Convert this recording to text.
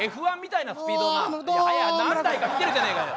何台か来てるじゃねえかよ。